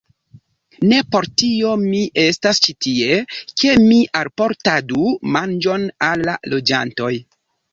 Ne por tio mi estas ĉi tie, ke mi alportadu manĝon al la loĝantoj.